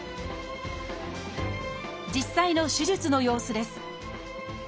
実際の手術の様子です。